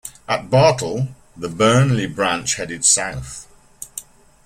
At Bartle, the Burney Branch headed south.